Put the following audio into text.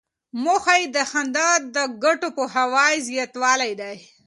موخه یې د خندا د ګټو پوهاوی زیاتول دي.